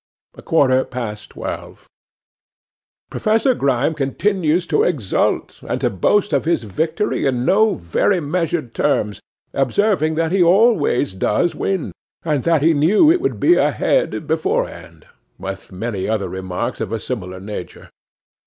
'A quarter past twelve. 'PROFESSOR Grime continues to exult, and to boast of his victory in no very measured terms, observing that he always does win, and that he knew it would be a "head" beforehand, with many other remarks of a similar nature.